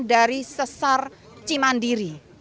dari sesar cimandiri